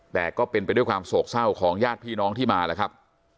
แต่ก็เป็นไปด้วยความโศกเศร้าของญาติพี่น้องที่มาแล้วครับ